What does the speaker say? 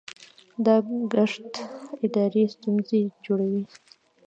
دا ګډښت اداري ستونزې جوړوي.